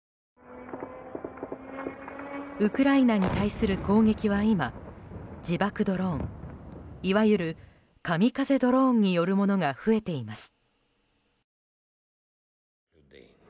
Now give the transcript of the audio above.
ウクライナに対する攻撃は今自爆ドローンいわゆるカミカゼ・ドローンによるものが増えています。